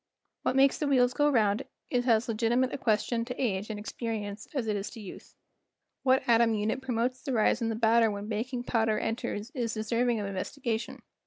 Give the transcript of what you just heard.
What makes the wheels go round is as legiti¬ mate a question to age and experience as it is to youth. What atom unit promotes the rise in the batter when baking powder en¬ ters is deserving of investigation.